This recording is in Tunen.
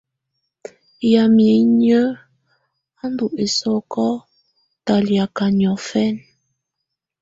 Yamɛ̀á inyǝ́ á ndù ɛsɔ̀kɔ̀ talakɛ̀á niɔ̀fɛ̀na.